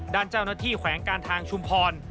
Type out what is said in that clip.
ด้านเจ้าหน้าที่แขวงการทางชุมพร